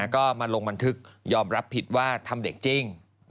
ก็มาลงบันทึกยอมรับผิดว่าทำเด็กจริง